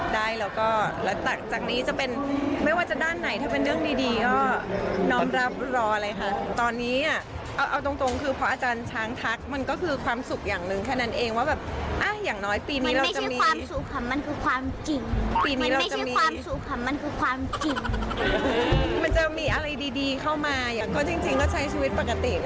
ได้แล้วก็แล้วจากนี้จะเป็นไม่ว่าจะด้านไหนถ้าเป็นเรื่องดีก็น้อมรับรอเลยค่ะตอนนี้อ่ะเอาตรงคือพออาจารย์ช้างทักมันก็คือความสุขอย่างหนึ่งแค่นั้นเองว่าแบบอ่ะอย่างน้อยปีนี้เราจะมีความสุขค่ะมันคือความจริงปีนี้เราไม่ใช่ความสุขค่ะมันคือความจริงมันจะมีอะไรดีเข้ามาอย่างก็จริงก็ใช้ชีวิตปกติ